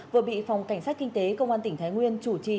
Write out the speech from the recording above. vừa bị phòng cảnh sát kinh tế công an tỉnh thái nguyên chủ trì